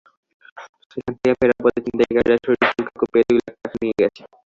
সেখান থেকে ফেরার পথে ছিনতাইকারীরা শফিকুলকে কুপিয়ে দুই লাখ টাকা নিয়ে গেছে।